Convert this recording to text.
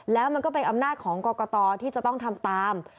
แล้วมันก็เป็นอำนาจของกรกตที่จะต้องทำตาม